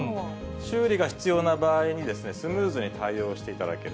修理が必要な場合にスムーズに対応していただける。